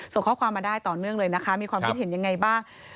ส่งข้อความมาได้ต่อเนื่องเลยนะคะมีความคิดเห็นยังไงบ้าง